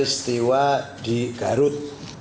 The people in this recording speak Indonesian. peristiwa di garut